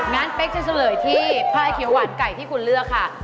งั้นเพลงจะเจอจริงไพรเขียวหวานไก่ที่คุณเลือกค่ะ